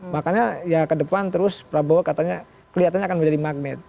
makanya ya ke depan terus prabowo katanya kelihatannya akan menjadi magnet